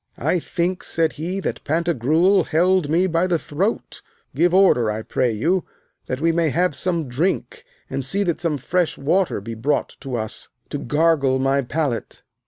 I think, said he, that Pantagruel held me by the throat. Give order, I pray you, that we may have some drink, and see that some fresh water be brought to us, to gargle my palate.